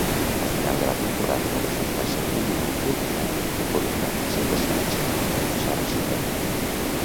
La final de la temporada va resultar ser un moment culminant involucrant el seu personatge, Sara Sidle.